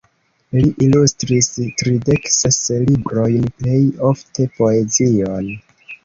Li ilustris tridek ses librojn, plej ofte poezion.